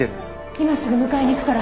今すぐ迎えに行くから。